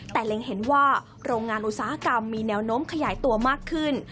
แต่เล็งเห็นว่าโรงงานอุตสาหกรรมมีแนวโน้มขยายตัวมากขึ้น